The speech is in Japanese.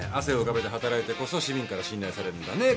汗を浮かべて働いてこそ市民から信頼されるんだ。